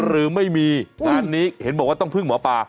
หรือไม่มีงานนี้เห็นบอกว่าต้องพึ่งหมอปลา